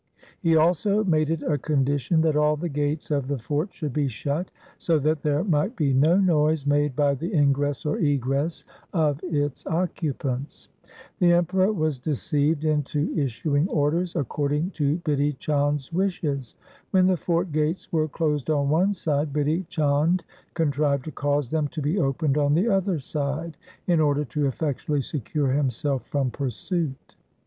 He also made it a condition that all the gates of the fort should be shut, so that there might be no noise made by the ingress or egress of its occupants. The Emperor was deceived into issuing orders according to Bidhi Chand's wishes. When the fort gates were closed on one side, Bidhi Chand contrived to cause them to be opened on the other side, in order to effectually secure himself from pursuit.